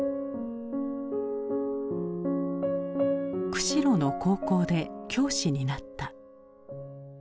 釧路の高校で教師になった。